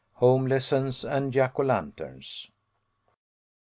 HOME LESSONS AND JACK O* LANTERNS.